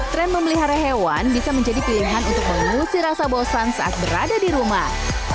tren memelihara hewan bisa menjadi pilihan untuk mengusir rasa bosan saat berada di rumah